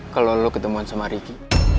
kalo lu ketemuan sama ricky